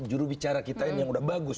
jurubicara kita ini yang udah bagus